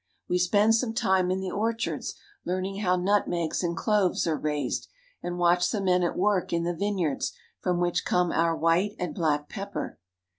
We spend some time in the orchards learning how nut megs and cloves are raised, and watch the men at work in the vineyards from which come our white and black pepper.